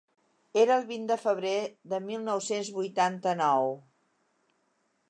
Era el vint de febrer de mil nou-cents vuitanta-nou.